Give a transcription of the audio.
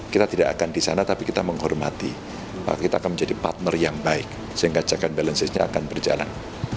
kita tidak akan di sana tapi kita menghormati bahwa kita akan menjadi partner yang baik sehingga check and balancesnya akan berjalan